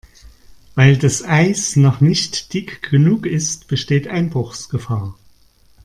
Weil das Eis noch nicht dick genug ist, besteht Einbruchsgefahr.